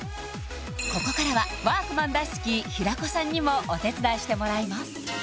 ここからはワークマン大好き平子さんにもお手伝いしてもらいます